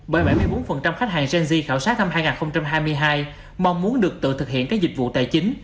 bởi bảy mươi bốn khách hàng genj khảo sát năm hai nghìn hai mươi hai mong muốn được tự thực hiện các dịch vụ tài chính